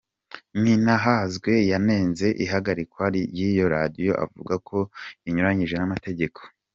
Nininahazwe yanenze ihagarikwa ry’iyo Radiyo avuga ko rinyuranije n’amategeko.